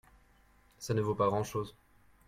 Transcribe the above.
ça ne vaut pas grand-chose.